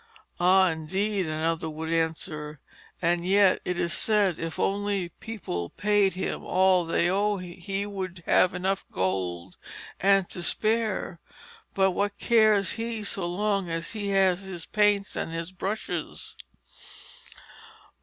'Ay, indeed!' another would answer; 'and yet it is said if only people paid him all they owed he would have gold enough and to spare. But what cares he so long as he has his paints and brushes?